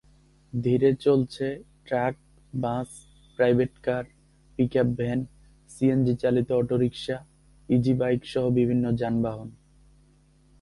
ধীরে চলছে truck, bus, private car, pickup van, সিএনজিচালিত অটোরিকশা, ইজিবাইকসহ বিভিন্ন যানবাহন।